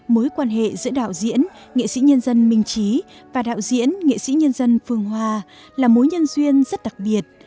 mối quan hệ giữa đạo diễn nghệ sĩ nhân dân minh trí và đạo diễn nghệ sĩ nhân dân phương hoa là mối nhân duyên rất đặc biệt